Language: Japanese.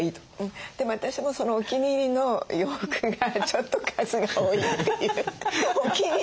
でも私もそのお気に入りの洋服がちょっと数が多いっていう。